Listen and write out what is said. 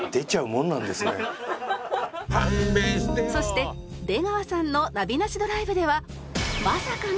そして出川さんのナビなしドライブでは